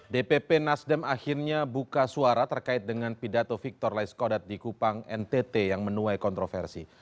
dpp nasdem akhirnya buka suara terkait dengan pidato victor laiskodat di kupang ntt yang menuai kontroversi